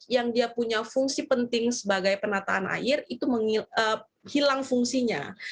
yang dia punya fungsi penting sebagai penataan air itu hilang fungsinya